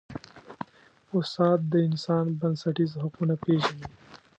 استاد د انسان بنسټیز حقونه پېژني.